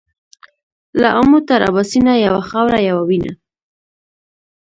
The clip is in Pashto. له امو تر اباسينه يوه خاوره يوه وينه.